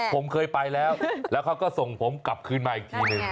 ผมเคยไปแล้วแล้วเขาก็ส่งผมกลับคืนมาอีกทีหนึ่ง